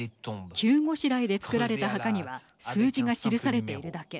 急ごしらえで作られた墓には数字が記されているだけ。